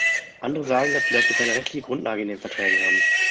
Andere sagen, dass wir dafür keine rechtliche Grundlage in den Verträgen haben.